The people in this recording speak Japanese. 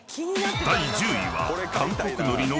［第１０位は］